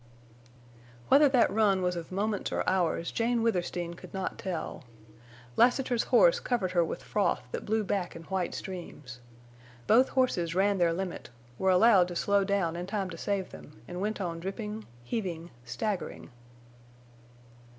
Whether that run was of moments or hours Jane Withersteen could not tell. Lassiter's horse covered her with froth that blew back in white streams. Both horses ran their limit, were allowed slow down in time to save them, and went on dripping, heaving, staggering.